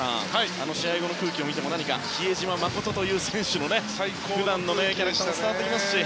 あの試合後の空気を見ても何か比江島慎という選手の普段のキャラクターも伝わってきますよね。